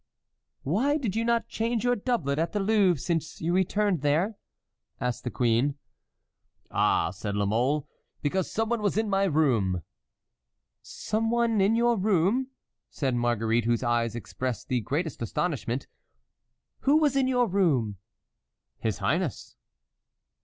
"Why did you not change your doublet at the Louvre, since you returned there?" asked the queen. "Ah!" said La Mole, "because some one was in my room." "Some one in your room?" said Marguerite, whose eyes expressed the greatest astonishment; "who was in your room?" "His highness."